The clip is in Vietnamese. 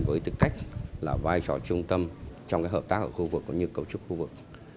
với tư cách là vai trò trung tâm trong hợp tác ở khu vực cũng như cấu trúc khu vực